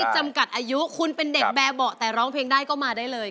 จำกัดอายุคุณเป็นเด็กแบบเบาะแต่ร้องเพลงได้ก็มาได้เลย